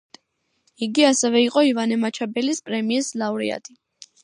იგი ასევე იყო ივანე მაჩაბელის პრემიის ლაურეატი.